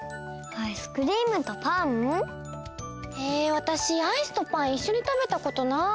アイスとパンいっしょにたべたことない。